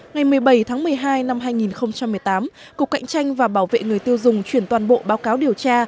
ngày một mươi bảy tháng một mươi hai năm hai nghìn một mươi tám cục cạnh tranh và bảo vệ người tiêu dùng chuyển toàn bộ báo cáo điều tra